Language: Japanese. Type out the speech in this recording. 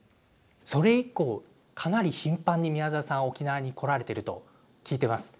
それ以降かなり頻繁に宮沢さん沖縄に来られてると聞いてます。